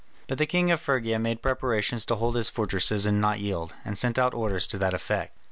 But the king of Phrygia made preparations to hold his fortresses and not yield, and sent out orders to that effect.